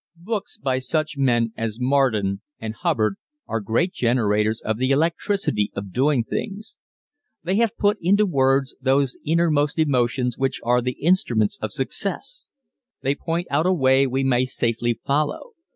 Books by such men as Marden and Hubbard are great generators of the electricity of doing things. They have put into words those innermost emotions which are the instruments of success. They point out a way we may safely follow.